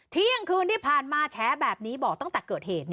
เที่ยงคืนที่ผ่านมาแฉแบบนี้บอกตั้งแต่เกิดเหตุ